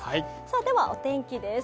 ではお天気です。